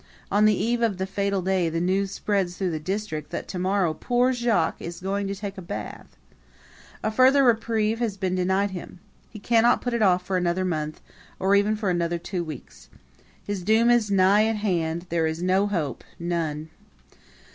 On the eve of the fatal day the news spreads through the district that to morrow poor Jacques is going to take a bath! A further reprieve has been denied him. He cannot put it off for another month, or even for another two weeks. His doom is nigh at hand; there is no hope none!